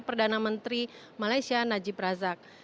perdana menteri malaysia najib razak